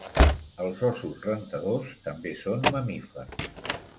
Els óssos rentadors també són mamífers.